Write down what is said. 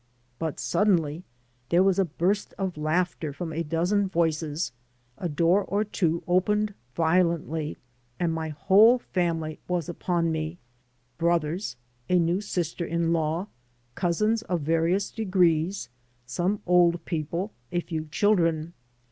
But suddenly there was a burst of laughter from a dozen voices, a door or two opened violently, and my whole family was upon me — ^brothers, a new sister in law, cousins of various degrees, some old people, a few children.